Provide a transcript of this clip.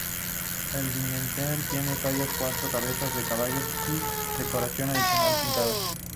El dintel tiene talladas cuatro cabezas de caballos, y decoración adicional pintada.